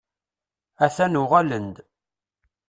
A-t-an uɣalen-d.